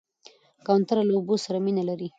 کوتره له اوبو سره مینه لري.